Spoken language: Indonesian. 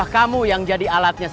kamu jalan terus